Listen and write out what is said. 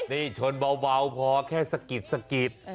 นี่ชนเบาพอแค่สะกิด